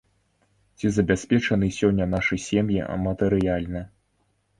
Ці забяспечаны сёння нашы сем'і матэрыяльна?